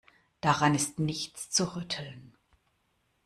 Daran ist nichts zu rütteln.